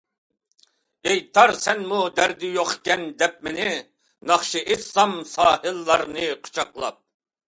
ئېيتارسەنمۇ دەردى يوقكىن دەپ مېنى، ناخشا ئېيتسام ساھىللارنى قۇچاقلاپ.